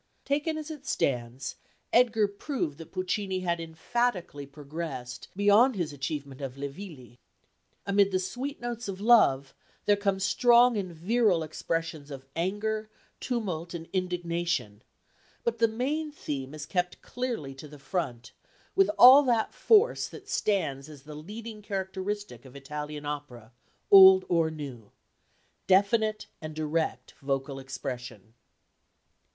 Taken as it stands Edgar proved that Puccini had emphatically progressed beyond his achievement of Le Villi. Amid the sweet notes of love there come strong and virile expressions of anger, tumult and indignation, but the main theme is kept clearly to the front with all that force that stands as the leading characteristic of Italian opera, old or new definite and direct vocal expression.